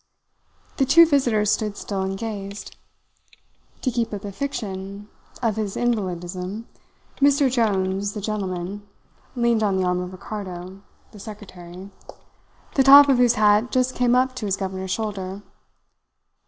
The two visitors stood still and gazed. To keep up the fiction of his invalidism, Mr. Jones, the gentleman, leaned on the arm of Ricardo, the secretary, the top of whose hat just came up to his governor's shoulder.